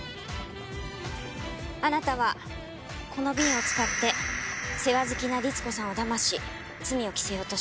あなたはこの瓶を使って世話好きな律子さんをだまし罪を着せようとした。